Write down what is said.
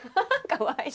かわいい。